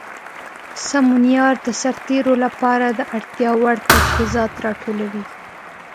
سمونیار د سرتیرو لپاره د اړتیا وړ تجهیزات راټولوي.